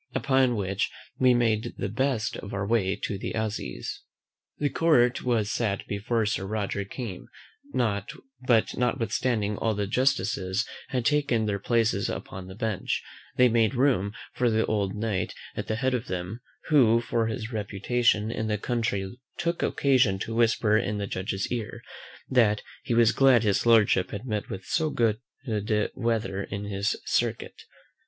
Upon which we made the best of our way to the assizes. The court was sat before Sir Roger came; but notwithstanding all the justices had taken their places upon the bench, they made room for the old Knight at the head of them; who for his reputation in the country took occasion to whisper in the judge's ear, that he was glad his lordship had met with so much good weather in his circuit.